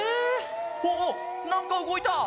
おおおおなんかうごいた！